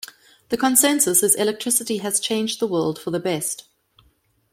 The consensus is electricity has changed the world for the best.